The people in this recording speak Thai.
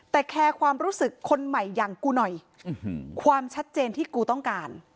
แต่แคร์ความรู้สึกคนใหม่อย่างกูหน่อยความชัดเจนที่กูต้องการ